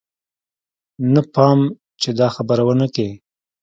نه پام چې دا خبره ونه کې.